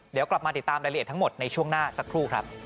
เดี๋ยวกลับมาติดตามรายละเอียดทั้งหมดในช่วงหน้าสักครู่ครับ